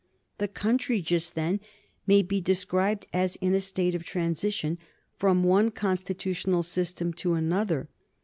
The country just then may be described as in a state of transition from one constitutional system to another.